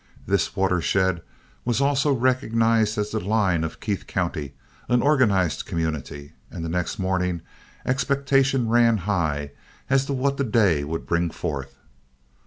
This watershed was also recognized as the line of Keith County, an organized community, and the next morning expectation ran high as to what the day would bring forth.